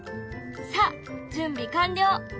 さあ準備完了！